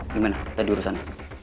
gimana tadi urusannya